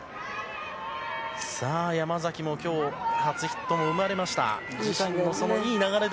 山崎も今日初ヒットも生まれました。